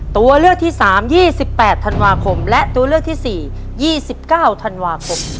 ตัวเลือกที่สามยี่สิบแปดธันวาคมและตัวเลือกที่สี่ยี่สิบเก้าธันวาคม